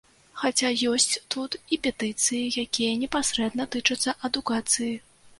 Хаця ёсць тут і петыцыі, якія непасрэдна тычацца адукацыі.